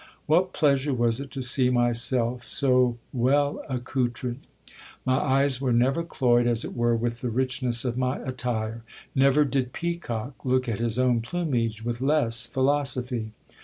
What pleasure was it to see myself so well accou tered ! My eyes were never cloyed, as it were, with the richness of my attire. Never did peacock look at his own plumage with less philosophy.